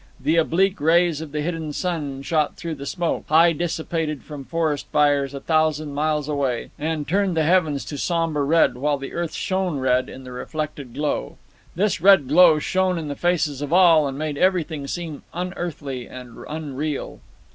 The oblique rays of the hidden sun shot through the smoke, high dissipated from forest fires a thousand miles away, and turned the heavens to sombre red, while the earth shone red in the reflected glow. This red glow shone in the faces of all, and made everything seem unearthly and unreal.